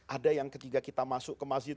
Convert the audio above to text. ada yang ketiga kita masuk ke masjid itu